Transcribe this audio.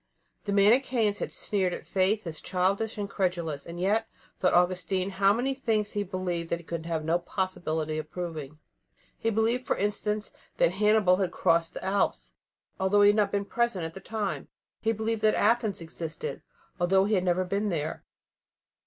The Manicheans had sneered at faith as childish and credulous; and yet, thought Augustine, how many things he believed that he could have no possibility of proving. He believed, for instance, that Hannibal had crossed the Alps, although he had not been present at the time. He believed that Athens existed, although he had never been there.